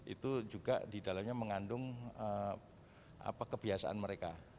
itu juga di dalamnya mengandung kebiasaan mereka